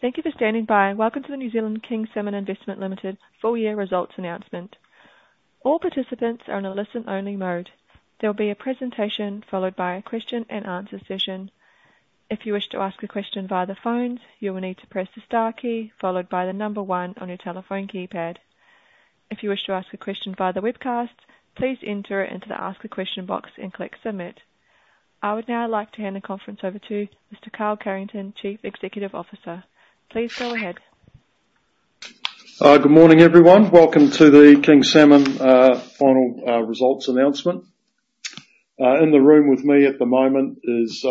Thank you for standing by. Welcome to the New Zealand King Salmon Investments Limited full-year results announcement. All participants are in a listen-only mode. There will be a presentation followed by a question-and-answer session. If you wish to ask a question via the phones, you will need to press the star key followed by the number one on your telephone keypad. If you wish to ask a question via the webcast, please enter it into the Ask a Question box and click Submit. I would now like to hand the conference over to Mr. Carl Carrington, Chief Executive Officer. Please go ahead. Good morning, everyone. Welcome to the King Salmon final results announcement. In the room with me at the moment is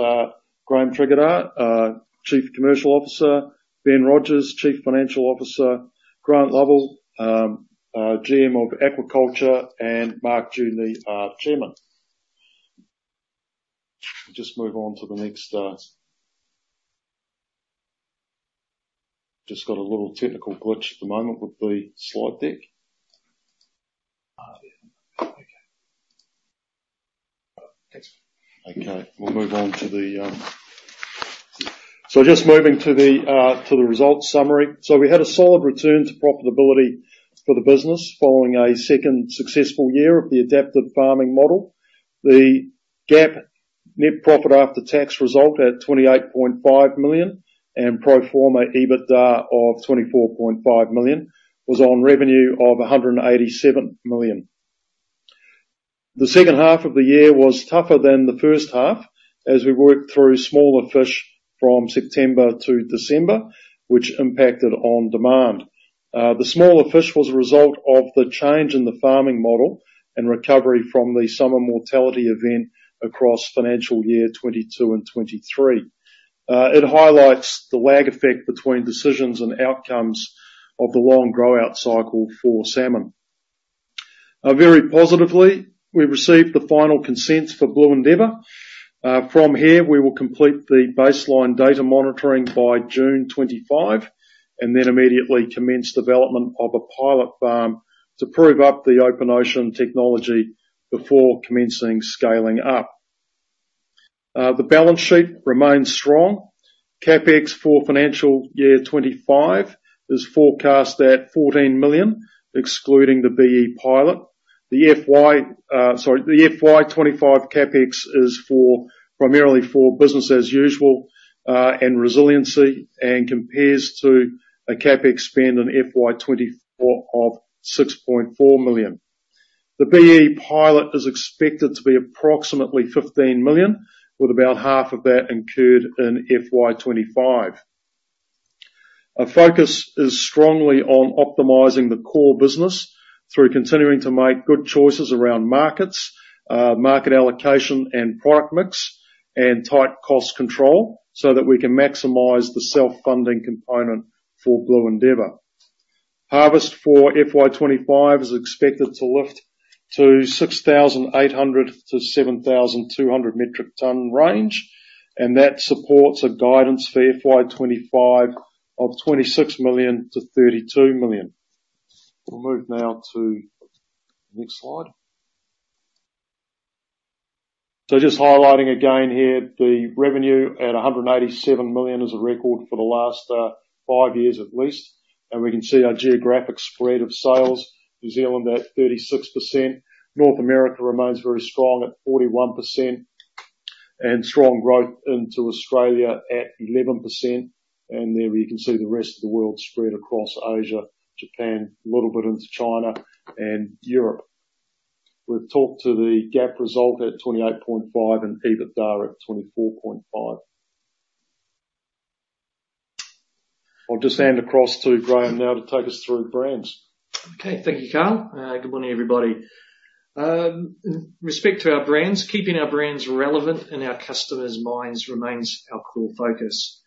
Graeme Tregidga, Chief Commercial Officer; Ben Rodgers, Chief Financial Officer; Grant Lovell, GM of Aquaculture; and Mark Dewdney, Chairman. Just move on to the next. Just got a little technical glitch at the moment with the slide deck. Okay. So just moving to the results summary. We had a solid return to profitability for the business following a second successful year of the adapted farming model. The GAAP net profit after tax result at 28.5 million and pro forma EBITDA of 24.5 million was on revenue of 187 million. The second half of the year was tougher than the first half as we worked through smaller fish from September to December, which impacted on demand. The smaller fish was a result of the change in the farming model and recovery from the summer mortality event across financial year 2022 and 2023. It highlights the lag effect between decisions and outcomes of the long grow-out cycle for salmon. Very positively, we received the final consent for Blue Endeavour. From here, we will complete the baseline data monitoring by June 2025 and then immediately commence development of a pilot farm to prove up the open ocean technology before commencing scaling up. The balance sheet remains strong. CapEx for financial year 2025 is forecast at 14 million, excluding the BE pilot. The FY25 CapEx is primarily for business as usual and resiliency and compares to a CapEx spend in FY24 of 6.4 million. The BE pilot is expected to be approximately 15 million, with about half of that incurred in FY25. Focus is strongly on optimizing the core business through continuing to make good choices around markets, market allocation and product mix, and tight cost control so that we can maximise the self-funding component for Blue Endeavour. Harvest for FY25 is expected to lift to 6,800 to 7,200 metric ton range, and that supports a guidance for FY25 of 26 million-32 million. We'll move now to the next slide. So just highlighting again here, the revenue at 187 million is a record for the last five years at least, and we can see our geographic spread of sales. New Zealand at 36%. North America remains very strong at 41% and strong growth into Australia at 11%. And there we can see the rest of the world spread across Asia, Japan, a little bit into China, and Europe. We've talked to the GAAP result at 28.5 million and EBITDA at 24.5 million. I'll just hand across to Graeme now to take us through brands. Okay. Thank you, Carl. Good morning, everybody. In respect to our brands, keeping our brands relevant in our customers' minds remains our core focus.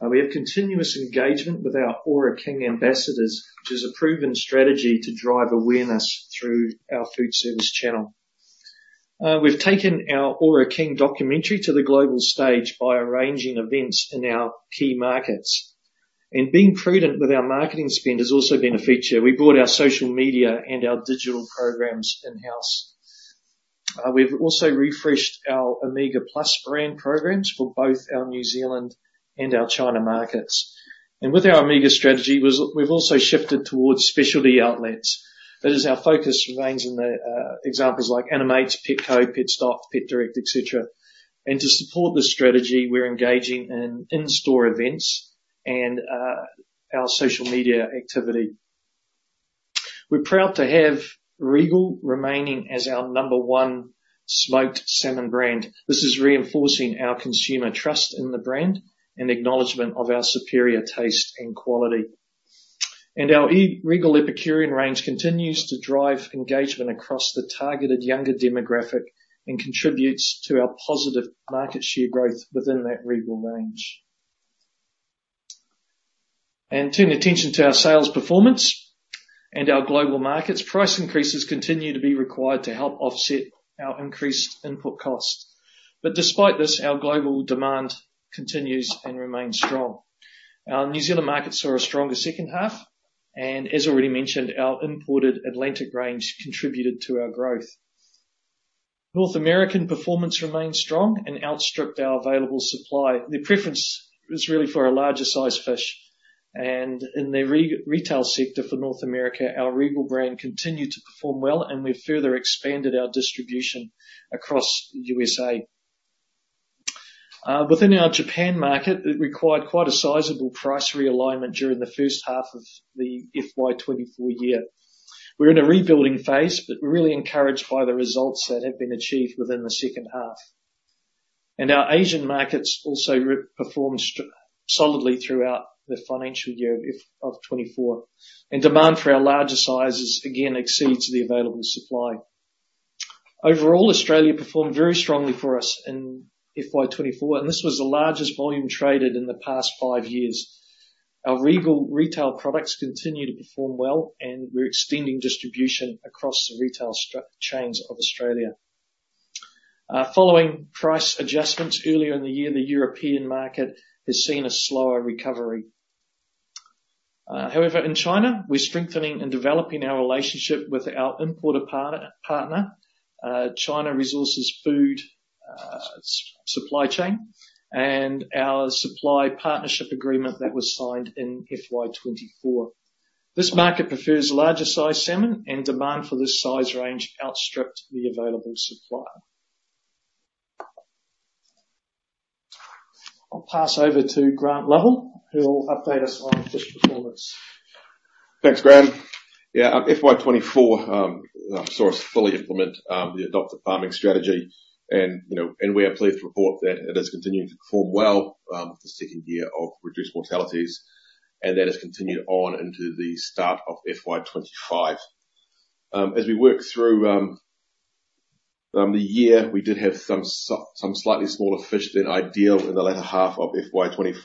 We have continuous engagement with our Ōra King ambassadors, which is a proven strategy to drive awareness through our food service channel. We've taken our Ōra King documentary to the global stage by arranging events in our key markets. Being prudent with our marketing spend has also been a feature. We brought our social media and our digital programs in-house. We've also refreshed our Omega Plus brand programs for both our New Zealand and our China markets. With our Omega strategy, we've also shifted towards specialty outlets. That is, our focus remains in examples like Animates, Petco, PETstock, PetDirect, etc. To support this strategy, we're engaging in in-store events and our social media activity. We're proud to have Regal remaining as our number one smoked salmon brand. This is reinforcing our consumer trust in the brand and acknowledgement of our superior taste and quality. Our Regal Epicurean range continues to drive engagement across the targeted younger demographic and contributes to our positive market share growth within that Regal range. Turning attention to our sales performance and our global markets, price increases continue to be required to help offset our increased input cost. Despite this, our global demand continues and remains strong. Our New Zealand markets saw a stronger second half, and as already mentioned, our imported Atlantic range contributed to our growth. North American performance remained strong and outstripped our available supply. Their preference was really for a larger-sized fish. In the retail sector for North America, our Regal brand continued to perform well, and we've further expanded our distribution across the USA. Within our Japan market, it required quite a sizable price realignment during the first half of the FY2024 year. We're in a rebuilding phase, but we're really encouraged by the results that have been achieved within the second half. Our Asian markets also performed solidly throughout the financial year of 2024. Demand for our larger sizes, again, exceeds the available supply. Overall, Australia performed very strongly for us in FY2024, and this was the largest volume traded in the past five years. Our Regal retail products continue to perform well, and we're extending distribution across the retail chains of Australia. Following price adjustments earlier in the year, the European market has seen a slower recovery. However, in China, we're strengthening and developing our relationship with our importer partner, China Resources Food Supply Chain, and our supply partnership agreement that was signed in FY 2024. This market prefers larger-sized salmon, and demand for this size range outstripped the available supply. I'll pass over to Grant Lovell, who'll update us on fish performance. Thanks, Graeme. Yeah, FY2024 saw us fully implement the adopted farming strategy, and we are pleased to report that it has continued to perform well for the second year of reduced mortalities and that has continued on into the start of FY2025. As we work through the year, we did have some slightly smaller fish than ideal in the latter half of FY2024. This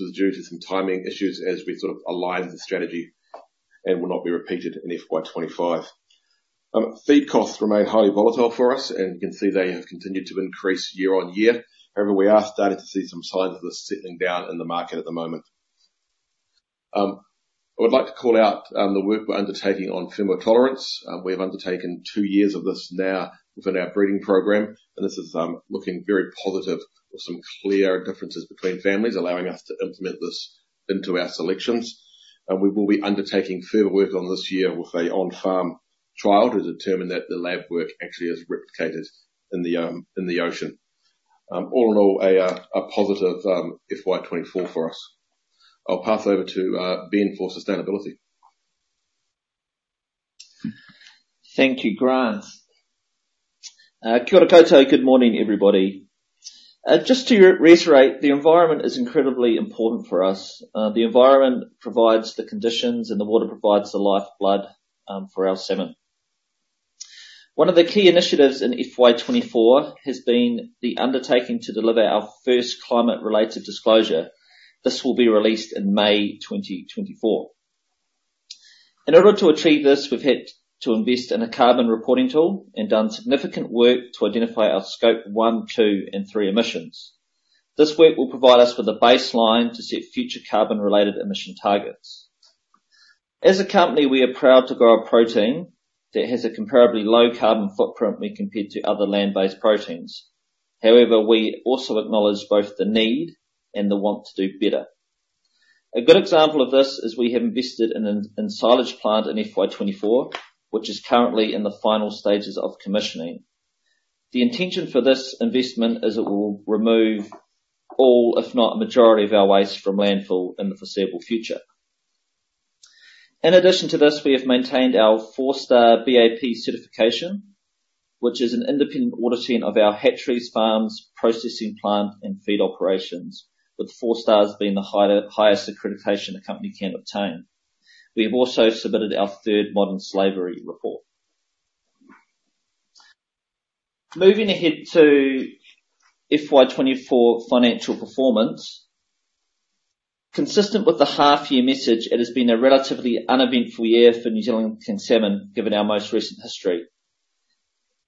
was due to some timing issues as we sort of aligned the strategy and will not be repeated in FY2025. Feed costs remain highly volatile for us, and you can see they have continued to increase year on year. However, we are starting to see some signs of this settling down in the market at the moment. I would like to call out the work we're undertaking on thermotolerance. We have undertaken two years of this now within our breeding program, and this is looking very positive with some clear differences between families, allowing us to implement this into our selections. And we will be undertaking further work on this year with an on-farm trial to determine that the lab work actually is replicated in the ocean. All in all, a positive FY2024 for us. I'll pass over to Ben for sustainability. Thank you, Grant. Kia ora, koutou, good morning, everybody. Just to reiterate, the environment is incredibly important for us. The environment provides the conditions, and the water provides the lifeblood for our salmon. One of the key initiatives in FY24 has been the undertaking to deliver our first climate-related disclosure. This will be released in May 2024. In order to achieve this, we've had to invest in a carbon reporting tool and done significant work to identify our Scope 1, 2, and 3 emissions. This work will provide us with a baseline to set future carbon-related emission targets. As a company, we are proud to grow a protein that has a comparably low carbon footprint when compared to other land-based proteins. However, we also acknowledge both the need and the want to do better. A good example of this is we have invested in a silage plant in FY2024, which is currently in the final stages of commissioning. The intention for this investment is it will remove all, if not a majority, of our waste from landfill in the foreseeable future. In addition to this, we have maintained our four-star BAP certification, which is an independent auditing of our hatcheries, farms, processing plant, and feed operations, with four stars being the highest accreditation the company can obtain. We have also submitted our third modern slavery report. Moving ahead to FY2024 financial performance, consistent with the half-year message, it has been a relatively uneventful year for New Zealand King Salmon given our most recent history.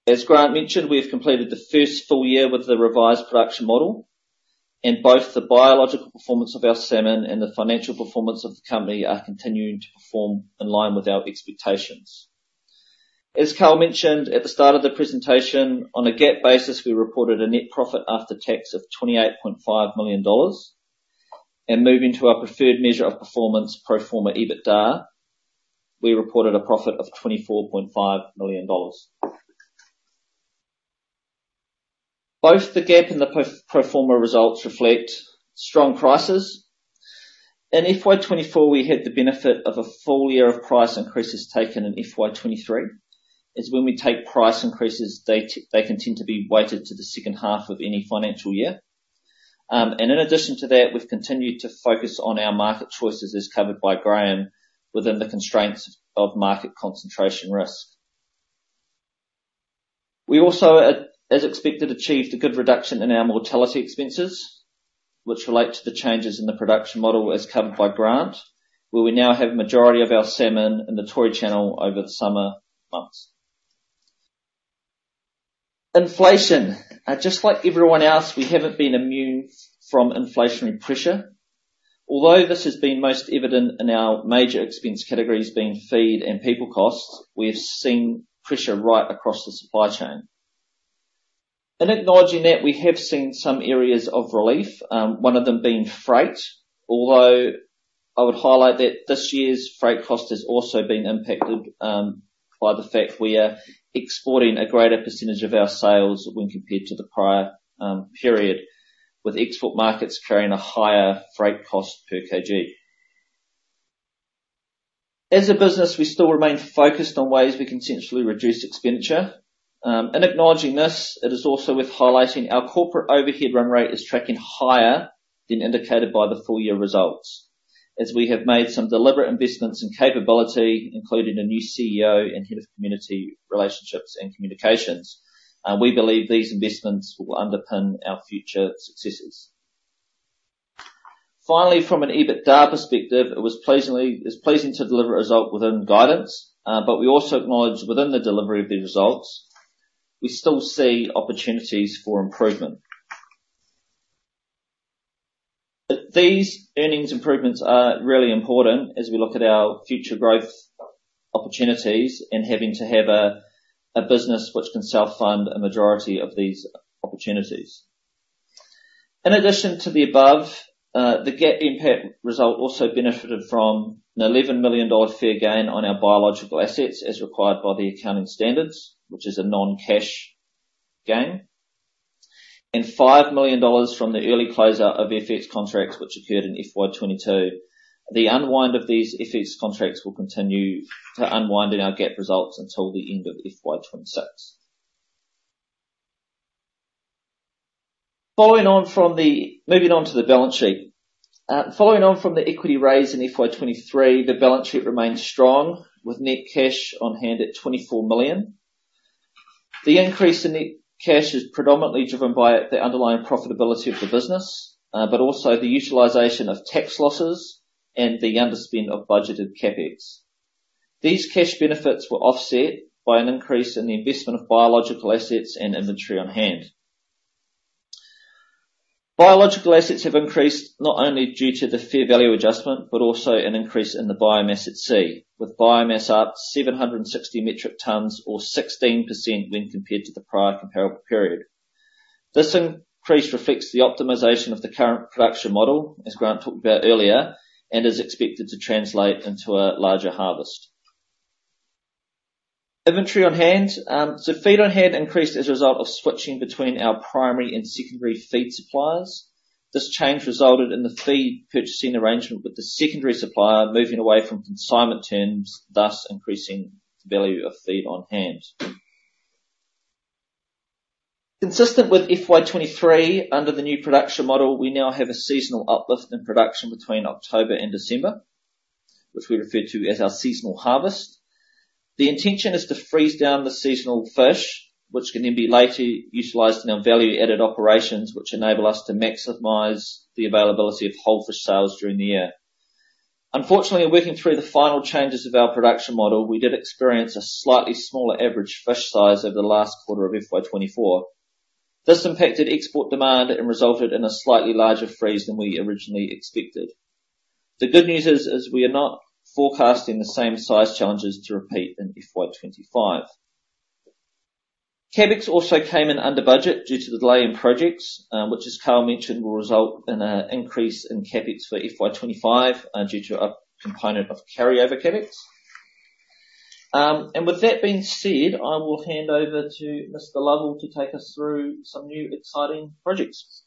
As Grant mentioned, we have completed the first full year with the revised production model, and both the biological performance of our salmon and the financial performance of the company are continuing to perform in line with our expectations. As Carl mentioned at the start of the presentation, on a GAAP basis, we reported a net profit after tax of 28.5 million dollars. Moving to our preferred measure of performance, pro forma EBITDA, we reported a profit of 24.5 million dollars. Both the GAAP and the pro forma results reflect strong prices. In FY24, we had the benefit of a full year of price increases taken in FY23. As when we take price increases, they can tend to be weighted to the second half of any financial year. In addition to that, we've continued to focus on our market choices, as covered by Graeme, within the constraints of market concentration risk. We also, as expected, achieved a good reduction in our mortality expenses, which relate to the changes in the production model, as covered by Grant, where we now have a majority of our salmon in the Tory Channel over the summer months. Inflation. Just like everyone else, we haven't been immune from inflationary pressure. Although this has been most evident in our major expense categories being feed and people costs, we have seen pressure right across the supply chain. In acknowledging that, we have seen some areas of relief, one of them being freight. Although I would highlight that this year's freight cost has also been impacted by the fact we are exporting a greater percentage of our sales when compared to the prior period, with export markets carrying a higher freight cost per kg. As a business, we still remain focused on ways we can sensibly reduce expenditure. In acknowledging this, it is also worth highlighting our corporate overhead run rate is tracking higher than indicated by the full year results. As we have made some deliberate investments in capability, including a new CEO and head of community relationships and communications, we believe these investments will underpin our future successes. Finally, from an EBITDA perspective, it was pleasing to deliver a result within guidance, but we also acknowledge within the delivery of the results, we still see opportunities for improvement. These earnings improvements are really important as we look at our future growth opportunities and having to have a business which can self-fund a majority of these opportunities. In addition to the above, the GAAP impact result also benefited from an 11 million dollar fair gain on our biological assets as required by the accounting standards, which is a non-cash gain, and 5 million dollars from the early closure of FX contracts, which occurred in FY22. The unwind of these FX contracts will continue to unwind in our GAAP results until the end of FY26. Moving on to the balance sheet. Following on from the equity raise in FY23, the balance sheet remained strong with net cash on hand at 24 million. The increase in net cash is predominantly driven by the underlying profitability of the business, but also the utilization of tax losses and the underspend of budgeted CapEx. These cash benefits were offset by an increase in the investment of biological assets and inventory on hand. Biological assets have increased not only due to the fair value adjustment, but also an increase in the biomass at sea, with biomass up 760 metric tonnes or 16% when compared to the prior comparable period. This increase reflects the optimization of the current production model, as Grant talked about earlier, and is expected to translate into a larger harvest. Inventory on hand. Feed on hand increased as a result of switching between our primary and secondary feed suppliers. This change resulted in the feed purchasing arrangement with the secondary supplier moving away from consignment terms, thus increasing the value of feed on hand. Consistent with FY23, under the new production model, we now have a seasonal uplift in production between October and December, which we refer to as our seasonal harvest. The intention is to freeze down the seasonal fish, which can then be later utilized in our value-added operations, which enable us to maximize the availability of whole fish sales during the year. Unfortunately, in working through the final changes of our production model, we did experience a slightly smaller average fish size over the last quarter of FY24. This impacted export demand and resulted in a slightly larger freeze than we originally expected. The good news is we are not forecasting the same size challenges to repeat in FY25. CapEx also came in under budget due to the delay in projects, which, as Carl mentioned, will result in an increase in CapEx for FY25 due to a component of carryover CapEx. With that being said, I will hand over to Mr. Lovell to take us through some new exciting projects.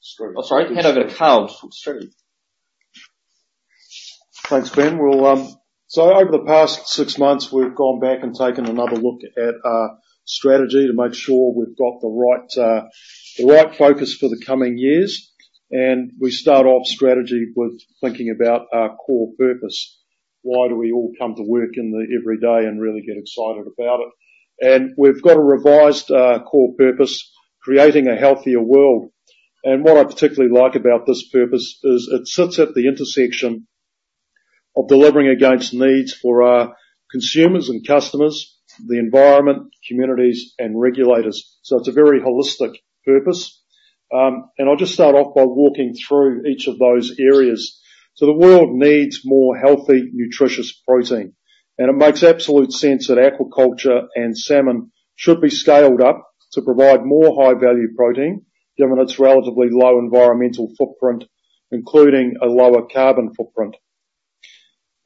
Strategy. Strategy. I'm sorry. Hand over to Carl to talk to Strategy. Thanks, Ben. So over the past six months, we've gone back and taken another look at our strategy to make sure we've got the right focus for the coming years. And we start off strategy with thinking about our core purpose. Why do we all come to work every day and really get excited about it? And we've got a revised core purpose, creating a healthier world. And what I particularly like about this purpose is it sits at the intersection of delivering against needs for our consumers and customers, the environment, communities, and regulators. So it's a very holistic purpose. And I'll just start off by walking through each of those areas. So the world needs more healthy, nutritious protein. And it makes absolute sense that aquaculture and salmon should be scaled up to provide more high-value protein given its relatively low environmental footprint, including a lower carbon footprint.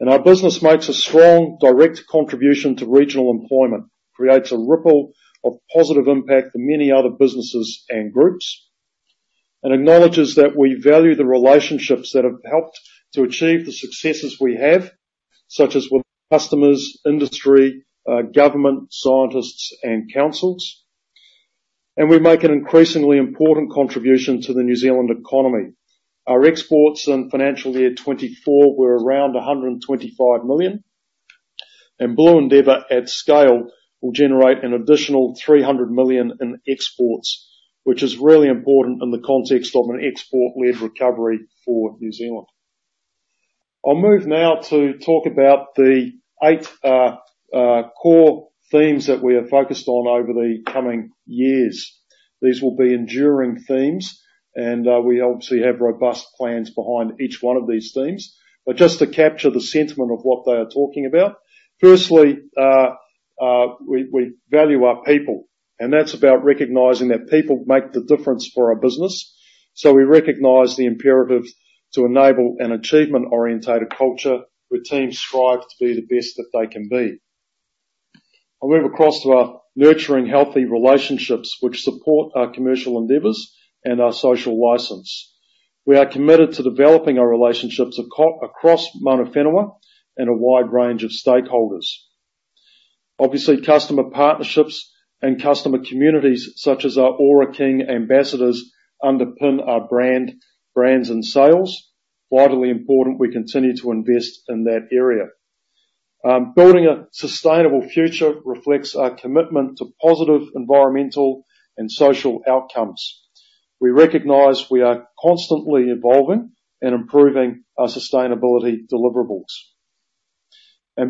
Our business makes a strong, direct contribution to regional employment, creates a ripple of positive impact for many other businesses and groups, and acknowledges that we value the relationships that have helped to achieve the successes we have, such as with customers, industry, government, scientists, and councils. We make an increasingly important contribution to the New Zealand economy. Our exports in financial year 2024 were around 125 million. Blue Endeavour at scale will generate an additional 300 million in exports, which is really important in the context of an export-led recovery for New Zealand. I'll move now to talk about the eight core themes that we are focused on over the coming years. These will be enduring themes, and we obviously have robust plans behind each one of these themes. But just to capture the sentiment of what they are talking about, firstly, we value our people. That's about recognizing that people make the difference for our business. We recognize the imperative to enable an achievement-oriented culture where teams strive to be the best that they can be. I'll move across to our nurturing healthy relationships, which support our commercial endeavors and our social license. We are committed to developing our relationships across Māori key stakeholders and a wide range of stakeholders. Obviously, customer partnerships and customer communities, such as our Ōra King ambassadors, underpin our brands and sales. Vitally important, we continue to invest in that area. Building a sustainable future reflects our commitment to positive environmental and social outcomes. We recognize we are constantly evolving and improving our sustainability deliverables.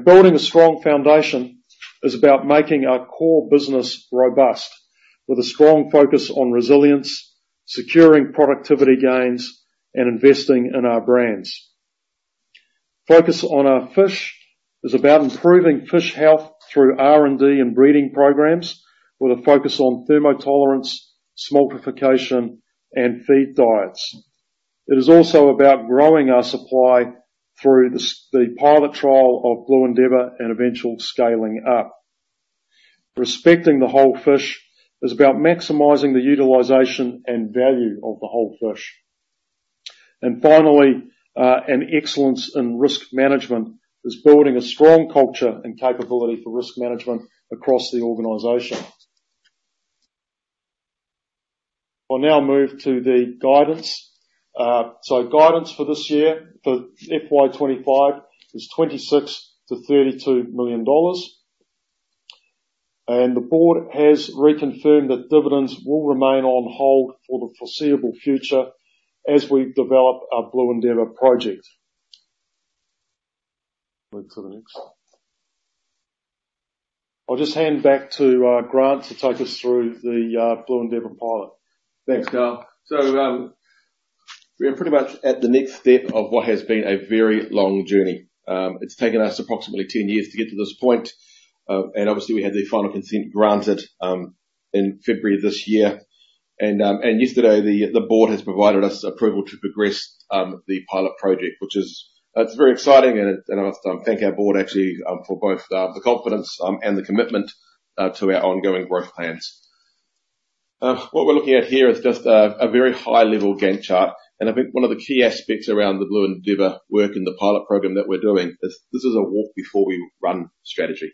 Building a strong foundation is about making our core business robust with a strong focus on resilience, securing productivity gains, and investing in our brands. Focus on our fish is about improving fish health through R&D and breeding programs with a focus on thermotolerance, smoltification, and feed diets. It is also about growing our supply through the pilot trial of Blue Endeavour and eventual scaling up. Respecting the whole fish is about maximizing the utilization and value of the whole fish. And finally, an excellence in risk management is building a strong culture and capability for risk management across the organization. I'll now move to the guidance. So guidance for this year, for FY25, is 26 million-32 million dollars. And the board has reconfirmed that dividends will remain on hold for the foreseeable future as we develop our Blue Endeavour project. Move to the next. I'll just hand back to Grant to take us through the Blue Endeavour pilot. Thanks, Carl. So we are pretty much at the next step of what has been a very long journey. It's taken us approximately 10 years to get to this point. And obviously, we had the final consent granted in February of this year. And yesterday, the board has provided us approval to progress the pilot project, which is very exciting. And I must thank our board, actually, for both the confidence and the commitment to our ongoing growth plans. What we're looking at here is just a very high-level Gantt chart. And I think one of the key aspects around the Blue Endeavour work in the pilot programme that we're doing is this is a walk-before-we-run strategy.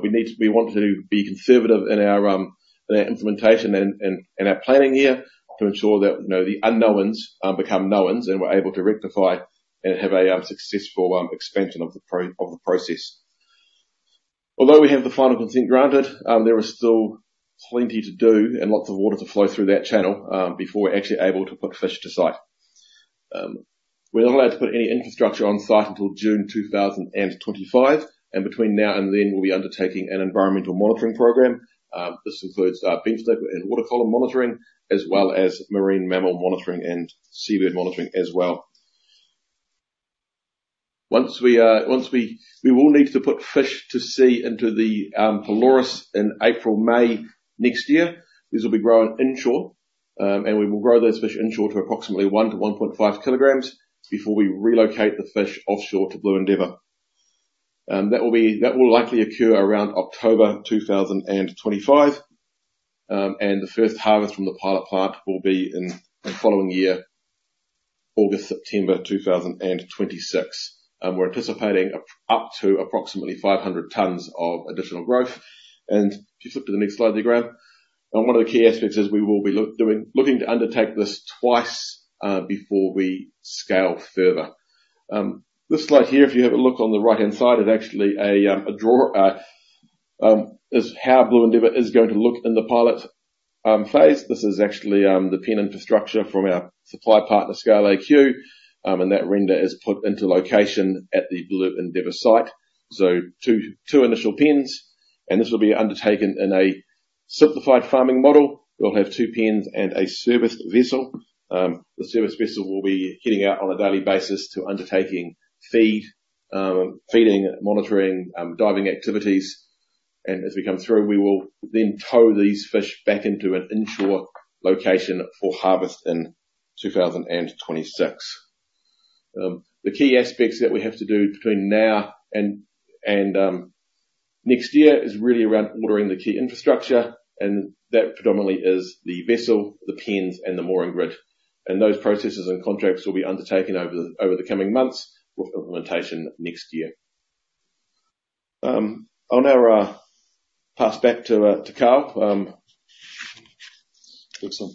We want to be conservative in our implementation and our planning here to ensure that the unknowns become knowns and we're able to rectify and have a successful expansion of the process. Although we have the final consent granted, there is still plenty to do and lots of water to flow through that channel before we're actually able to put fish to site. We're not allowed to put any infrastructure on site until June 2025. Between now and then, we'll be undertaking an environmental monitoring program. This includes benthic and water column monitoring, as well as marine mammal monitoring and seabird monitoring as well. Once we will need to put fish to sea into the Pelorus in April-May next year, these will be grown inshore. We will grow those fish inshore to approximately one to 1.5 kilograms before we relocate the fish offshore to Blue Endeavour. That will likely occur around October 2025. The first harvest from the pilot plant will be in the following year, August-September 2026. We're anticipating up to approximately 500 tons of additional growth. And if you flip to the next slide, there, Grant, one of the key aspects is we will be looking to undertake this twice before we scale further. This slide here, if you have a look on the right-hand side, is actually how Blue Endeavour is going to look in the pilot phase. This is actually the pen infrastructure from our supply partner, ScaleAQ. And that render is put into location at the Blue Endeavour site. So two initial pens. And this will be undertaken in a simplified farming model. We'll have two pens and a service vessel. The service vessel will be heading out on a daily basis to undertaking feeding, monitoring, diving activities. And as we come through, we will then tow these fish back into an inshore location for harvest in 2026. The key aspects that we have to do between now and next year is really around ordering the key infrastructure. That predominantly is the vessel, the pens, and the mooring grid. Those processes and contracts will be undertaken over the coming months with implementation next year. I'll now pass back to Carl.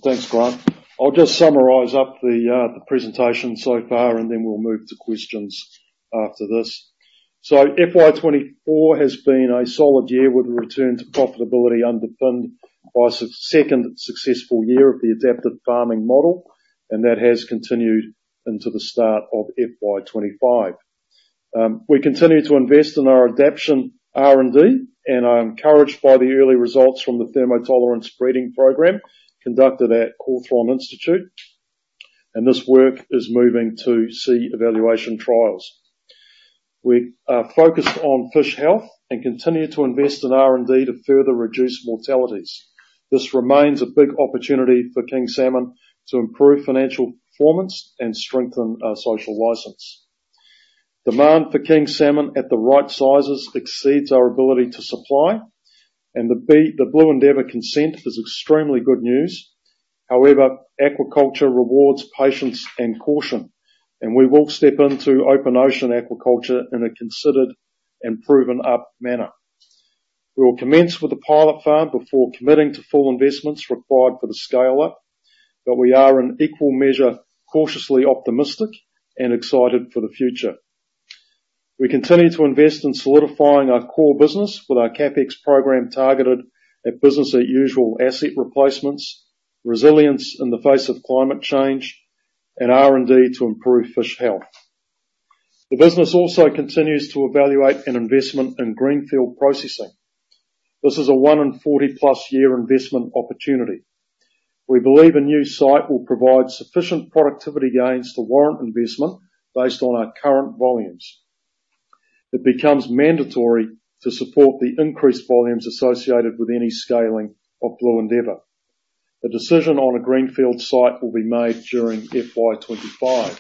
Thanks, Grant. I'll just summarize up the presentation so far, and then we'll move to questions after this. So FY24 has been a solid year with a return to profitability underpinned by a second successful year of the adapted farming model. And that has continued into the start of FY25. We continue to invest in our adaptation R&D. And I'm encouraged by the early results from the thermotolerance breeding program conducted at Cawthron Institute. And this work is moving to sea evaluation trials. We are focused on fish health and continue to invest in R&D to further reduce mortalities. This remains a big opportunity for King Salmon to improve financial performance and strengthen our social license. Demand for King Salmon at the right sizes exceeds our ability to supply. And the Blue Endeavour consent is extremely good news. However, aquaculture rewards patience and caution. We will step into open ocean aquaculture in a considered and proven-up manner. We will commence with the pilot farm before committing to full investments required for the scale-up. We are in equal measure cautiously optimistic and excited for the future. We continue to invest in solidifying our core business with our CapEx programme targeted at business-as-usual asset replacements, resilience in the face of climate change, and R&D to improve fish health. The business also continues to evaluate an investment in greenfield processing. This is a 140+ year investment opportunity. We believe a new site will provide sufficient productivity gains to warrant investment based on our current volumes. It becomes mandatory to support the increased volumes associated with any scaling of Blue Endeavour. A decision on a greenfield site will be made during FY25.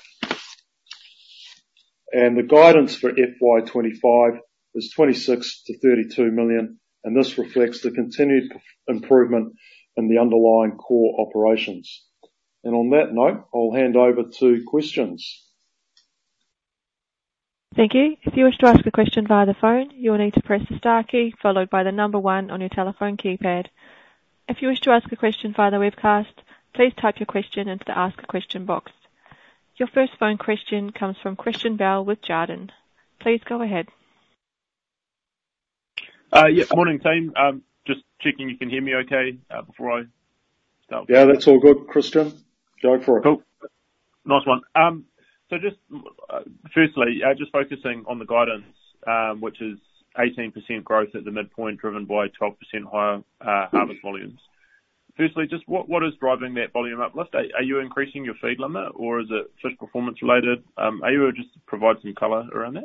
The guidance for FY25 is 26 million-32 million. This reflects the continued improvement in the underlying core operations. On that note, I'll hand over to questions. Thank you. If you wish to ask a question via the phone, you will need to press the star key followed by the number one on your telephone keypad. If you wish to ask a question via the webcast, please type your question into the Ask A Question box. Your first phone question comes from Christian Bell with Jarden. Please go ahead. Yeah. Morning, team. Just checking you can hear me okay before I start. Yeah. That's all good, Christian. Go for it. Cool. Nice one. So firstly, just focusing on the guidance, which is 18% growth at the midpoint driven by 12% higher harvest volumes. Firstly, just what is driving that volume uplift? Are you increasing your feed limit, or is it fish performance-related? Are you able to just provide some color around that?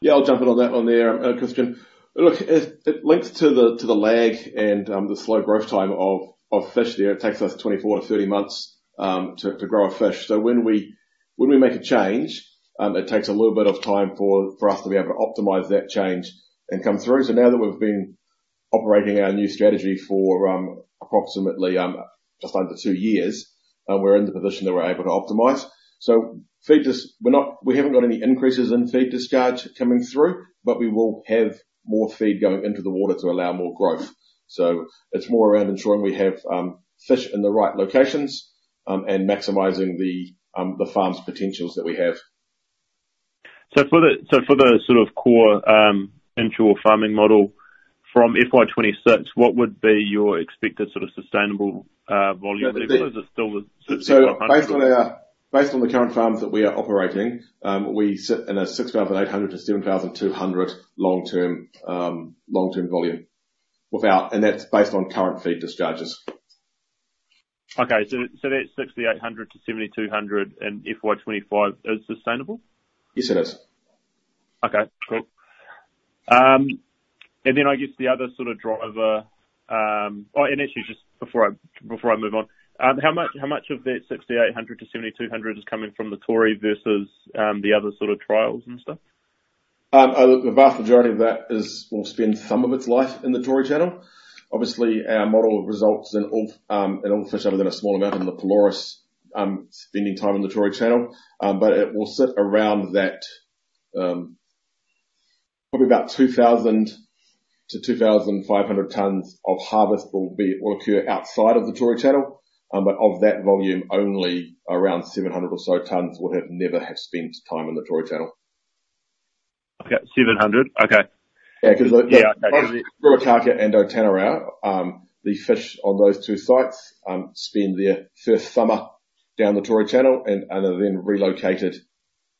Yeah. I'll jump in on that one there, Christian. Look, it links to the lag and the slow growth time of fish there. It takes us 24 to 30 months to grow a fish. So when we make a change, it takes a little bit of time for us to be able to optimize that change and come through. So now that we've been operating our new strategy for approximately just under two years, we're in the position that we're able to optimize. So we haven't got any increases in feed discharge coming through, but we will have more feed going into the water to allow more growth. So it's more around ensuring we have fish in the right locations and maximising the farm's potentials that we have. For the sort of core inshore farming model from FY26, what would be your expected sort of sustainable volume level? Is it still the 6,500? Based on the current farms that we are operating, we sit in a 6,800 to 7,200 long-term volume. That's based on current feed discharges. Okay. That's 6,800 to 7,200. FY25, is it sustainable? Yes, it is. Okay. Cool. And then I guess the other sort of driver. Oh, and actually, just before I move on, how much of that 6,800 to 7,200 is coming from the Tory versus the other sort of trials and stuff? Look, the vast majority of that will spend some of its life in the Tory Channel. Obviously, our model results in all fish other than a small amount in the Pelorus Sound spending time in the Tory Channel. But it will sit around that probably about 2,000 to 2,500 tonnes of harvest will occur outside of the Tory Channel. But of that volume only, around 700 or so tonnes would have never spent time in the Tory Channel. Okay. 700. Okay. Yeah. Because the. Yeah. Okay. Because the Ruakaka and Otanerau, the fish on those two sites spend their first summer down the Tory Channel and are then relocated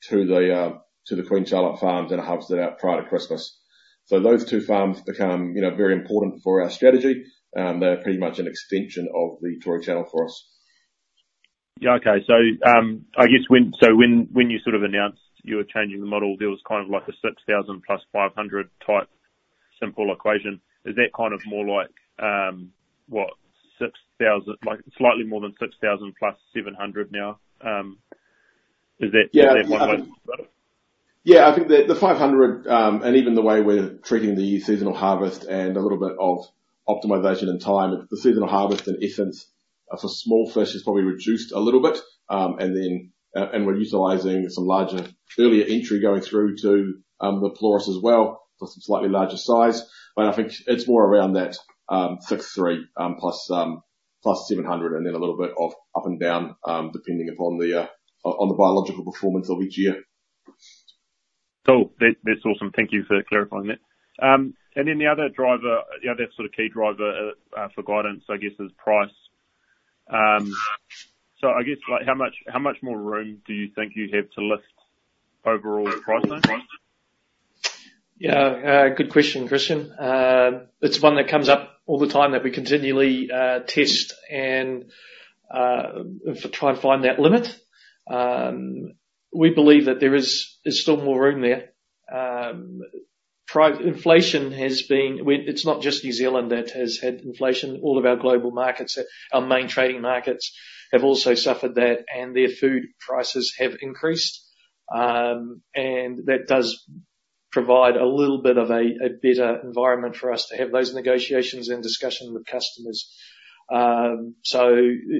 to the Queen Charlotte farms and are harvested out prior to Christmas. So those two farms become very important for our strategy. They're pretty much an extension of the Tory Channel for us. Yeah. Okay. So I guess when you sort of announced you were changing the model, there was kind of like a 6,000 plus 500 type simple equation. Is that kind of more like, what, slightly more than 6,000 plus 700 now? Is that one way to think about it? Yeah. I think the 500 and even the way we're treating the seasonal harvest and a little bit of optimization in time, the seasonal harvest, in essence, for small fish is probably reduced a little bit. And we're utilising some larger earlier entry going through to the Pelorus as well for some slightly larger size. But I think it's more around that 6,300 plus 700 and then a little bit of up and down depending upon the biological performance of each year. Cool. That's awesome. Thank you for clarifying that. And then the other sort of key driver for guidance, I guess, is price. So I guess how much more room do you think you have to lift overall pricing? Yeah. Good question, Christian. It's one that comes up all the time that we continually test and try and find that limit. We believe that there is still more room there. Inflation has been. It's not just New Zealand that has had inflation. All of our global markets, our main trading markets, have also suffered that. And their food prices have increased. And that does provide a little bit of a better environment for us to have those negotiations and discussion with customers. So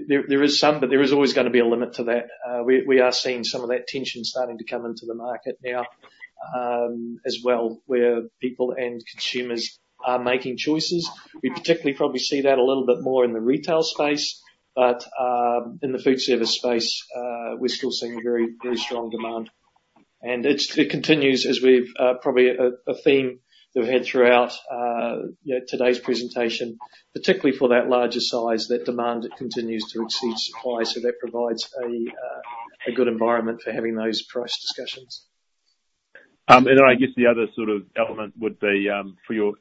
there is some, but there is always going to be a limit to that. We are seeing some of that tension starting to come into the market now as well where people and consumers are making choices. We particularly probably see that a little bit more in the retail space. But in the food service space, we're still seeing very, very strong demand. It continues as we've probably had a theme that we've had throughout today's presentation, particularly for that larger size, that demand continues to exceed supply. That provides a good environment for having those price discussions. Then I guess the other sort of element would be for your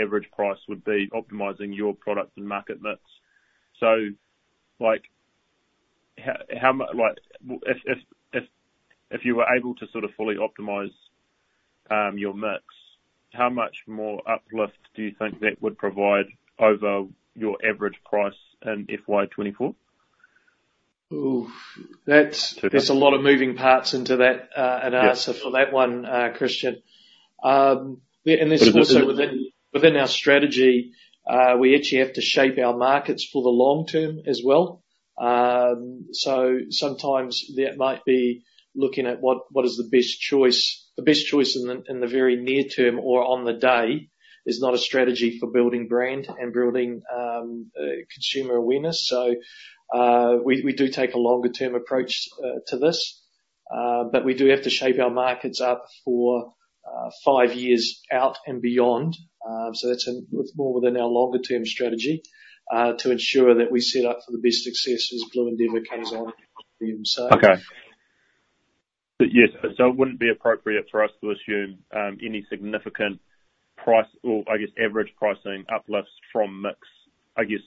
average price would be optimizing your product and market mix. If you were able to sort of fully optimize your mix, how much more uplift do you think that would provide over your average price in FY 2024? Ooh. Too bad. There's a lot of moving parts into that and answer for that one, Christian. This is also within our strategy. We actually have to shape our markets for the long term as well. Sometimes that might be looking at what is the best choice. The best choice in the very near term or on the day is not a strategy for building brand and building consumer awareness. We do take a longer-term approach to this. But we do have to shape our markets up for five years out and beyond. That's more within our longer-term strategy to ensure that we set up for the best success as Blue Endeavour comes on. Okay. Yes. So it wouldn't be appropriate for us to assume any significant price or, I guess, average pricing uplifts from mix, I guess,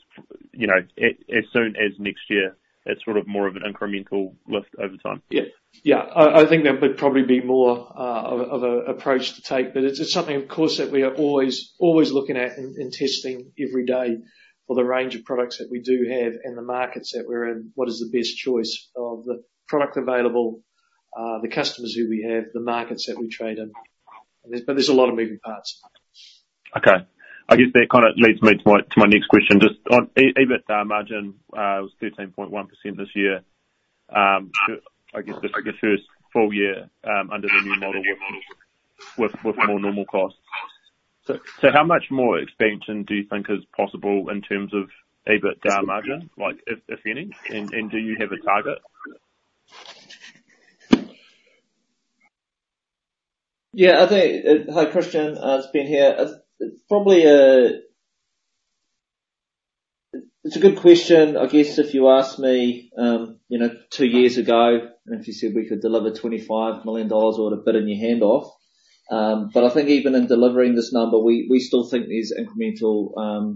as soon as next year. It's sort of more of an incremental lift over time. Yeah. Yeah. I think there would probably be more of an approach to take. But it's something, of course, that we are always looking at and testing every day for the range of products that we do have and the markets that we're in, what is the best choice of the product available, the customers who we have, the markets that we trade in. But there's a lot of moving parts. Okay. I guess that kind of leads me to my next question. EBIT margin was 13.1% this year, I guess, the first full year under the new model with more normal costs. So how much more expansion do you think is possible in terms of EBIT margin, if any? And do you have a target? Yeah. Hi, Christian. It's Ben here. It's a good question, I guess, if you asked me two years ago and if you said we could deliver 25 million dollars or had a bet in your hand off. But I think even in delivering this number, we still think there's incremental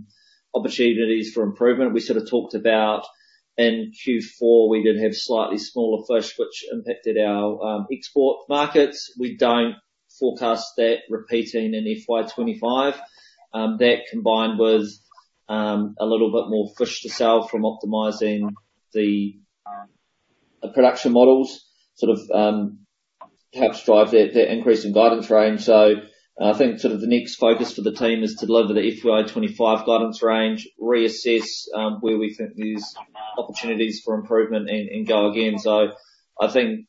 opportunities for improvement. We sort of talked about in Q4, we did have slightly smaller fish, which impacted our export markets. We don't forecast that repeating in FY 2025. That combined with a little bit more fish to sell from optimizing the production models sort of perhaps drive that increase in guidance range. So I think sort of the next focus for the team is to deliver the FY 2025 guidance range, reassess where we think there's opportunities for improvement, and go again. So I think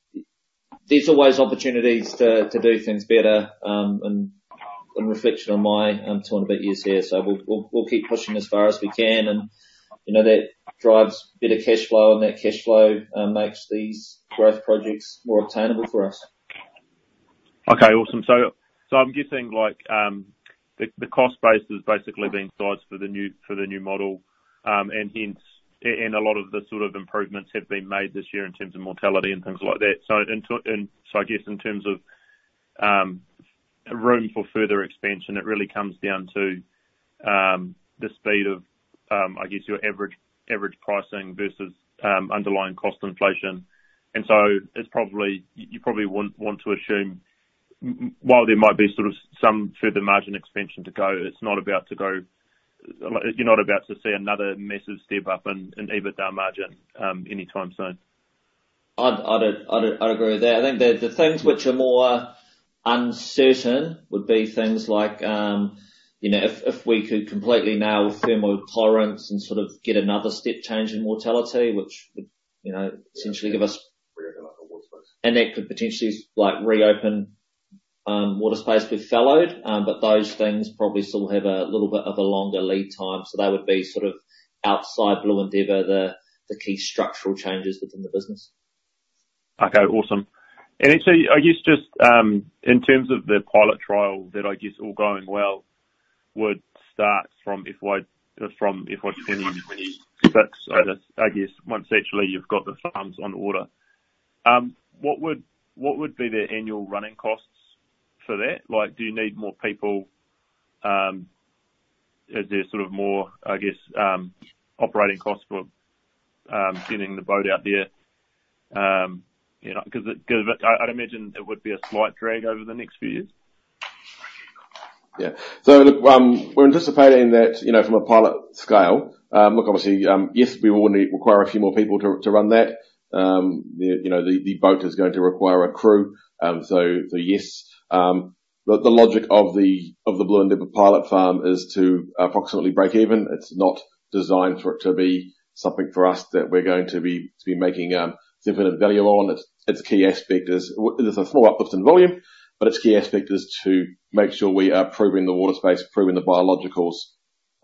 there's always opportunities to do things better in reflection on my 20-odd years here. We'll keep pushing as far as we can. That drives better cash flow. That cash flow makes these growth projects more obtainable for us. Okay. Awesome. So I'm guessing the cost base has basically been sized for the new model. And a lot of the sort of improvements have been made this year in terms of mortality and things like that. So I guess in terms of room for further expansion, it really comes down to the speed of, I guess, your average pricing versus underlying cost inflation. And so you probably wouldn't want to assume while there might be sort of some further margin expansion to go. It's not about to go. You're not about to see another massive step up in EBITDA margin anytime soon. I'd agree with that. I think the things which are more uncertain would be things like if we could completely now affirm thermotolerance and sort of get another step change in mortality, which would essentially give us. Reopen our water space. That could potentially reopen water space with fallowed. But those things probably still have a little bit of a longer lead time. So they would be sort of outside Blue Endeavour, the key structural changes within the business. Okay. Awesome. And actually, I guess just in terms of the pilot trial that, I guess, all going well would start from FY26, I guess, once actually you've got the farms on order. What would be the annual running costs for that? Do you need more people? Is there sort of more, I guess, operating costs for getting the boat out there? Because I'd imagine it would be a slight drag over the next few years. Yeah. So look, we're anticipating that from a pilot scale look, obviously, yes, we will require a few more people to run that. The boat is going to require a crew. So yes. The logic of the Blue Endeavour pilot farm is to approximately break even. It's not designed for it to be something for us that we're going to be making definite value on. Its key aspect is there's a small uplift in volume, but its key aspect is to make sure we are proving the water space, proving the biologicals,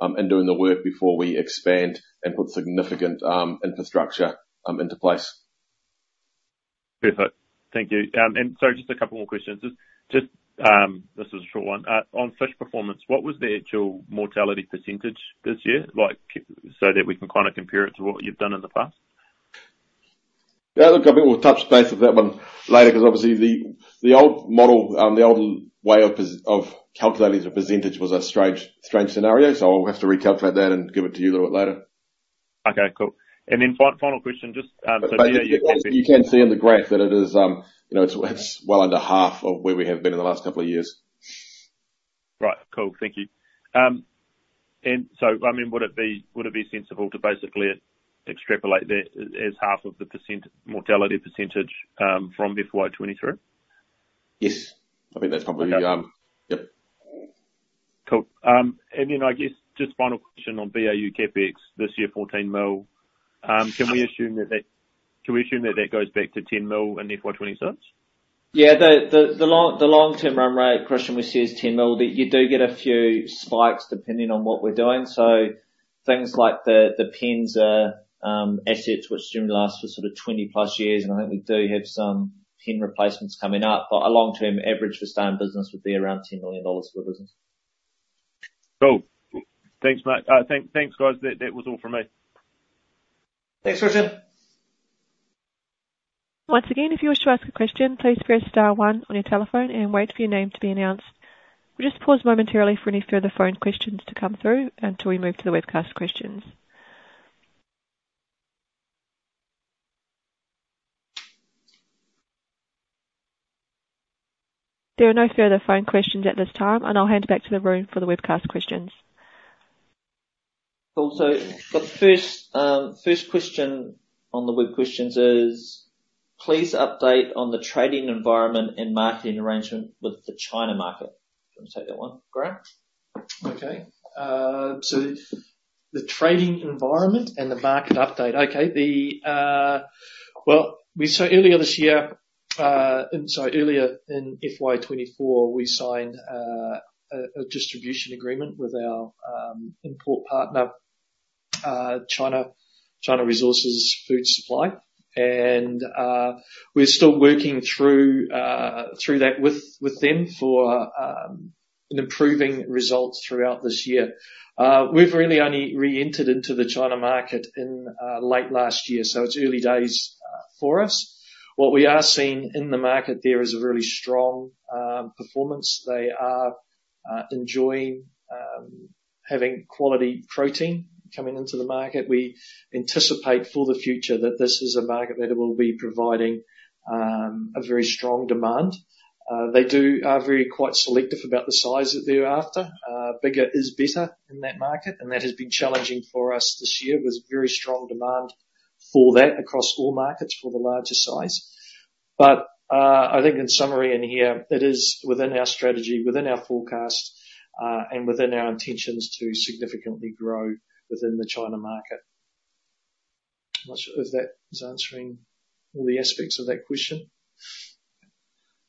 and doing the work before we expand and put significant infrastructure into place. Perfect. Thank you. Sorry, just a couple more questions. This is a short one. On fish performance, what was the actual mortality percentage this year so that we can kind of compare it to what you've done in the past? Yeah. Look, I think we'll touch base on that one later because, obviously, the old model, the old way of calculating the percentage was a strange scenario. So I'll have to recalculate that and give it to you a little bit later. Okay. Cool. And then final question. So do you know. You can see in the graph that it is well under half of where we have been in the last couple of years. Right. Cool. Thank you. And so, I mean, would it be sensible to basically extrapolate that as half of the mortality percentage from FY 2023? Yes. I think that's probably yep. Cool. Then I guess just final question on BAU CapEx this year, 14 million. Can we assume that that goes back to 10 million in FY26? Yeah. The long-term run rate, Christian, we see is 10 million. You do get a few spikes depending on what we're doing. So things like the PENS are assets which generally last for sort of 20+ years. And I think we do have some PEN replacements coming up. But a long-term average for staying in business would be around 10 million dollars for the business. Cool. Thanks, Mike. Thanks, guys. That was all from me. Thanks, Christian. Once again, if you wish to ask a question, please press star one on your telephone and wait for your name to be announced. We'll just pause momentarily for any further phone questions to come through until we move to the webcast questions. There are no further phone questions at this time. I'll hand it back to the room for the webcast questions. Cool. So the first question on the web questions is, please update on the trading environment and marketing arrangement with the China market. Do you want to take that one, Graeme? Okay. So the trading environment and the market update. Okay. Well, so earlier this year, and sorry, earlier in FY24, we signed a distribution agreement with our import partner, China Resources Food Supply. And we're still working through that with them for an improving result throughout this year. We've really only re-entered into the China market in late last year. So it's early days for us. What we are seeing in the market there is a really strong performance. They are enjoying having quality protein coming into the market. We anticipate for the future that this is a market that will be providing a very strong demand. They are very quite selective about the size that they're after. Bigger is better in that market. And that has been challenging for us this year with very strong demand for that across all markets for the larger size. I think in summary in here, it is within our strategy, within our forecast, and within our intentions to significantly grow within the China market. I'm not sure if that is answering all the aspects of that question.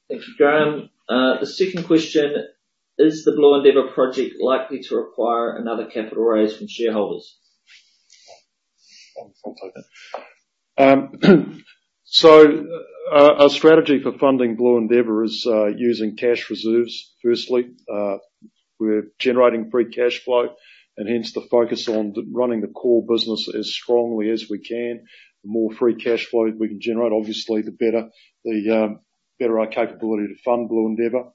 Thank you, Graeme. The second question, is the Blue Endeavour project likely to require another capital raise from shareholders? I'll take that. So our strategy for funding Blue Endeavour is using cash reserves, firstly. We're generating free cash flow and hence the focus on running the core business as strongly as we can. The more free cash flow we can generate, obviously, the better our capability to fund Blue Endeavour.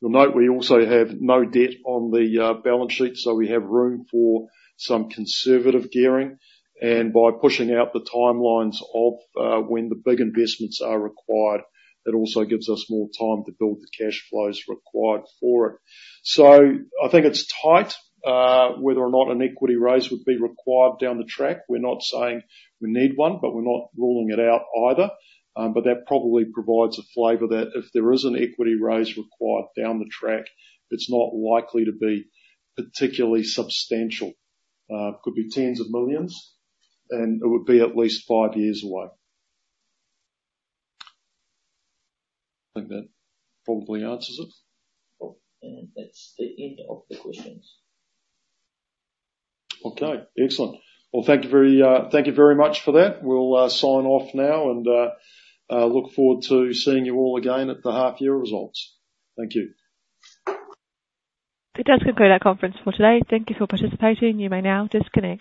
You'll note we also have no debt on the balance sheet. So we have room for some conservative gearing. And by pushing out the timelines of when the big investments are required, it also gives us more time to build the cash flows required for it. So I think it's tight whether or not an equity raise would be required down the track. We're not saying we need one, but we're not ruling it out either. That probably provides a flavor that if there is an equity raise required down the track, it's not likely to be particularly substantial. It could be tens of millions NZD. It would be at least five years away. I think that probably answers it. Cool. That's the end of the questions. Okay. Excellent. Well, thank you very much for that. We'll sign off now and look forward to seeing you all again at the half-year results. Thank you. Good. That's concluded our conference for today. Thank you for participating. You may now disconnect.